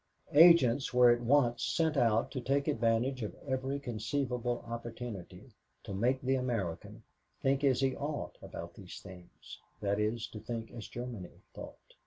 Agents were at once sent out to take advantage of every conceivable opportunity to make the American think as he ought about these things that is, to think as Germany thought.